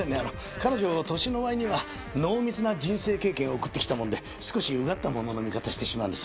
彼女年の割には濃密な人生経験を送ってきたもので少しうがった物の見方してしまうんです。